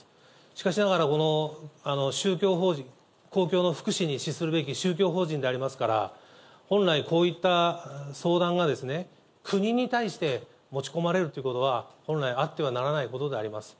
しかしながら、この宗教法人、公共の福祉に資するべき宗教法人でありますから、本来、こういった相談が国に対して持ち込まれるということは、本来あってはならないことであります。